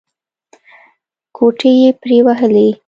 ګوتې یې پرې ووهلې.